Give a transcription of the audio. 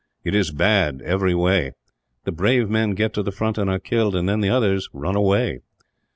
It is bad, every way. The brave men get to the front, and are killed; and then the others run away.